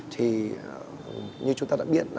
thì như chúng ta đã biết